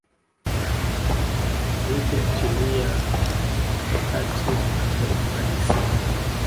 haikutimia kwa wakati na kwa urahisi